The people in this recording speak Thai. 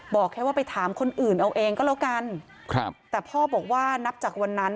บอกแค่ว่าไปถามคนอื่นเอาเองก็แล้วกันครับแต่พ่อบอกว่านับจากวันนั้น